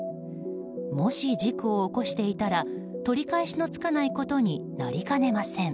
もし事故を起こしていたら取り返しのつかないことになりかねません。